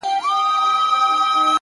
هره تجربه نوی درک راوړي!